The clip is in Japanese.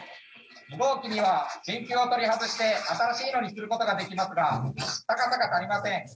２号機には電球を取り外して新しいのにすることができますが高さが足りません。